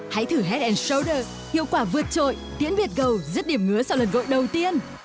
hãy thử head shoulders hiệu quả vượt trội tiễn biệt gầu giấc điểm ngứa sau lần gội đầu tiên